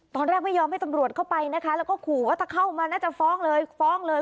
ไม่ยอมให้ตำรวจเข้าไปนะคะแล้วก็ขู่ว่าถ้าเข้ามาน่าจะฟ้องเลยฟ้องเลย